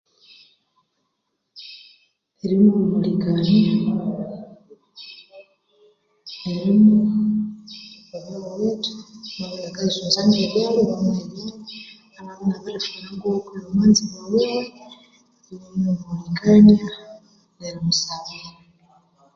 Erimuhumulikania erimuha okwa byaghuwithe amabya iniakayisunza nge byalya iwamuha amabya iniakayisunza ngo mwanze ghukuwiwe iwamuhumulikania nerimu sabira